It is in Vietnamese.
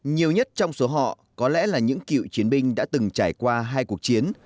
nhiều nhất trong số họ có lẽ là những cựu chiến binh đã từng trải qua hai cuộc chiến